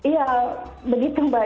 ya begitu mbak